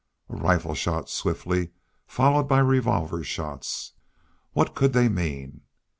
A rifle shot swiftly followed by revolver shots! What could, they mean?